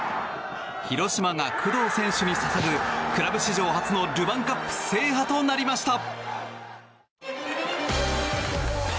広島が工藤選手に捧ぐクラブ史上初のルヴァンカップ制覇となりました。